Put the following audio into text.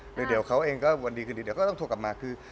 เดี๋ยวเขาเองก็วันดีคืนดีเดี๋ยวก็ต้องโทรกลับมาคือ